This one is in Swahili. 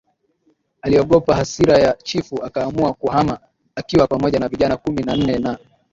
akiogopa hasira ya chifu akaamua kuhama akiwa pamoja na vijana kumi na nne na